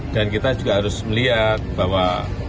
dan kita juga harus melihat bahwa